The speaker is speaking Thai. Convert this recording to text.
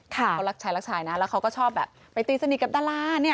ค่ะคือมาชายลักษายแล้วเขาก็ชอบแบบไปตีสนิทกับตาราเนี่ย